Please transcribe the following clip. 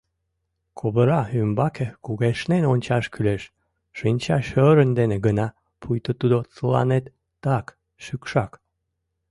Ковыра ӱмбаке кугешнен ончаш кӱлеш, шинча шӧрын дене гына, пуйто тудо тыланет — так, шӱкшак.